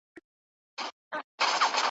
یوه ورځ به داسي راسي چي شرنګیږي ربابونه ,